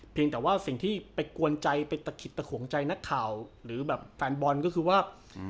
แต่ว่าสิ่งที่ไปกวนใจไปตะขิดตะขวงใจนักข่าวหรือแบบแฟนบอลก็คือว่า